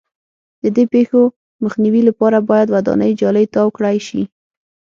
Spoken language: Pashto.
د دې پېښو مخنیوي لپاره باید ودانۍ جالۍ تاو کړای شي.